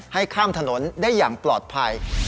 ให้ข้ามถนนได้อย่างปลอดภัย